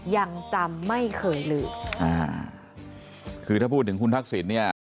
ยังจำไม่เคยลืมอ่าคือถ้าพูดถึงคุณทักษิณเนี่ย